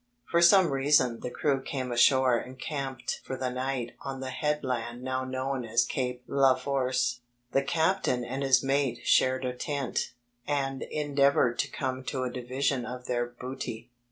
For some reason the crew came ashore and camped for the night on the headland now known as Cape Leforce. The captain and his mate shared a tent, and endeavoured to come to a division of their booty.